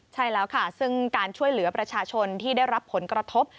ใช่แล้วค่ะซึ่งการช่วยเหลือประชาชนที่ได้รับผลกระทบ